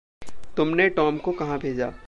तुम ने टॉम को कहाँ भेजा?